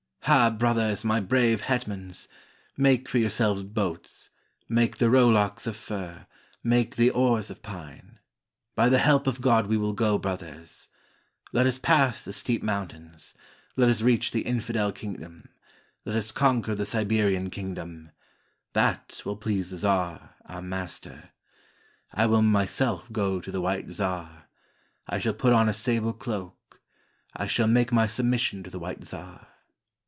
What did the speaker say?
" Ha, brothers, my brave hetmans! Make for yourselves boats. Make the rowlocks of fir, Make the oars of pine! By the help of God we will go, brothers; Let us pass the steep mountains. Let us reach the infidel kingdom, Let us conquer the Siberian kingdom, — That will please the czar, our master. I will myself go to the White Czar, I shall put on a sable cloak, I shall make my submission to the White Czar."